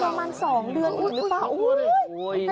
พอประมาณสองเดือนหลุดแล้วค่ะ